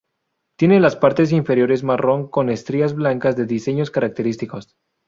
Tiene las partes inferiores marrón con estrías blancas de diseños característicos.